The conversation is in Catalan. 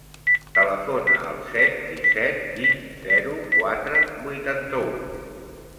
Telefona al set, disset, vint, zero, quatre, vuitanta-u.